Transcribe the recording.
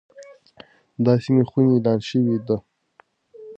دا سيمه خوندي اعلان شوې ده.